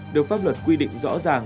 được pháp luật quy định rõ ràng